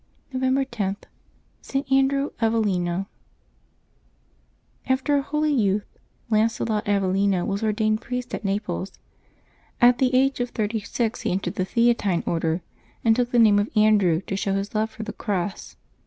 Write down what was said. November 10.— ST. ANDREW AVELLINO. aETER a holy youth, Lancelot Avellino was ordained priest at Naples. At the age of thirty six he en tered the Theatine Order, and took the name of Andrew, to show his love for the cross.